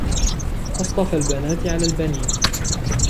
أَصْطَفَى الْبَنَاتِ عَلَى الْبَنِينَ